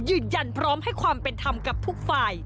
ยืนยันพร้อมให้ความเป็นธรรมกับทุกฝ่าย